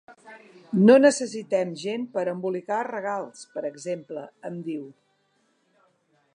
No necessitem gent per a embolicar regals, per exemple, em diu.